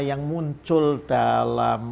yang muncul dalam